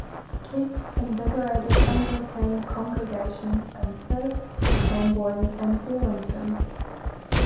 Keith invigorated Anglican congregations in Perth Amboy and Burlington.